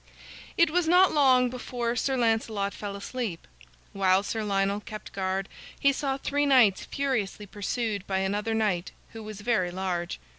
It was not long before Sir Lancelot fell asleep. While Sir Lionel kept guard, he saw three knights furiously pursued by another knight, who was very large.